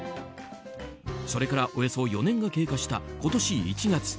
それから、およそ４年が経過した今年１月。